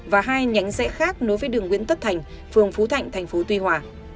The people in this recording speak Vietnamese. và hai nhánh rẽ khác nối với đường nguyễn tất thành phường phú thạnh thành phố tuy hòa